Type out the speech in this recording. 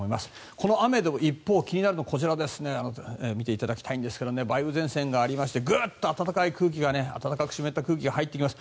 この雨の一方気になるのがこちら見ていただきたいんですが梅雨前線がありましてグッと暖かく湿った空気が入ってきます。